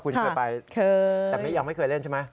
คุณเคยไปแต่ยังไม่เคยเล่นใช่ไหม